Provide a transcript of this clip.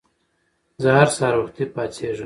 زه هر سهار وختي پاڅېږم.